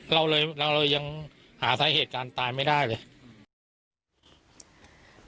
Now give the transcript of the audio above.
เราเลยเรายังหาสาเหตุการณ์ตายไม่ได้เลย